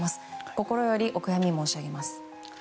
心よりお悔やみ申し上げます。